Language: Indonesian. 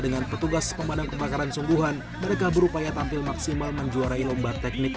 dengan petugas pemadam kebakaran sungguhan mereka berupaya tampil maksimal menjuarai lomba teknik